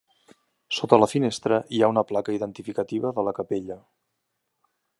Sota la finestra hi ha una placa identificativa de la capella.